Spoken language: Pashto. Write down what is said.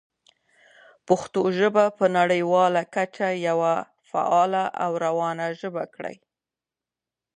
پښتو ژبه په نړیواله کچه یوه فعاله او روانه ژبه کړئ.